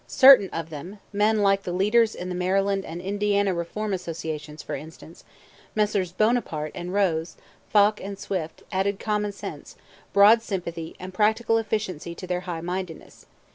Certain of them, men like the leaders in the Maryland and Indiana Reform Associations, for instances, Messrs. Bonaparte and Rose, Foulke and Swift, added common sense, broad sympathy, and practical efficiency to their high mindedness.